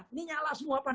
ini nyala semua pan